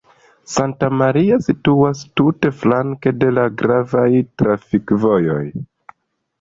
Santa Maria situas tute flanke de la gravaj trafikvojoj.